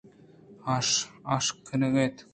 آ کشک ءَ اَت